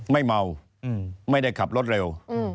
ไม่เมาไม่ได้ขับรถเร็ว